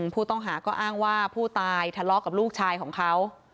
ผู้ต้องหาก็อ้างว่าผู้ตายทะเลาะกับลูกชายของเขา